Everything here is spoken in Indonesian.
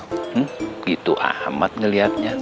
begitu amat ngelihatnya